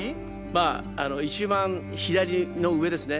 まあ一番左の上ですね